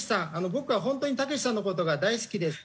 僕は本当にたけしさんの事が大好きです。